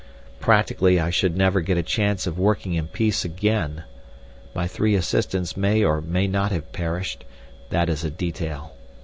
Practically I should never get a chance of working in peace again. My three assistants may or may not have perished. That is a detail.